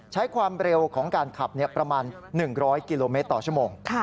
ใช้ความเร็วของการขับประมาณ๑๐๐กิโลเมตรต่อชั่วโมง